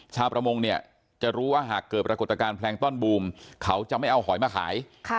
ชาวประมงเนี่ยจะรู้ว่าหากเกิดปรากฏการณ์แพลงต้อนบูมเขาจะไม่เอาหอยมาขาย